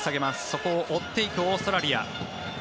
そこを追っていくオーストラリア。